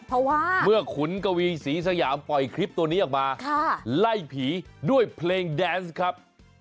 เพราะว่าเมื่อขุนกวีศรีสยามปล่อยคลิปตัวนี้ออกมาไล่ผีด้วยเพลงแดนส์ครับ